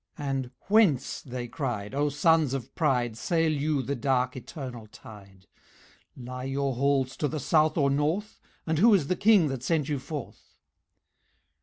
And "Whence," they cried, "O Sons of Pride, Sail you the dark eternal tide? Lie your halls to the South or North, And who is the King that sent you forth?"